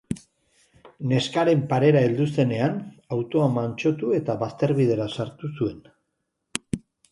Neskaren parera heldu zenean, autoa mantsotu eta bazterbidera sartu zuen.